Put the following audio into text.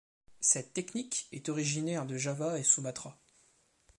Cette technique est originaire de Java et Sumatra.